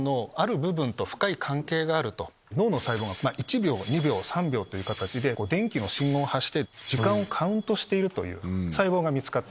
脳の細胞が１秒２秒３秒という形で電気の信号を発して時間をカウントしてる細胞が見つかった。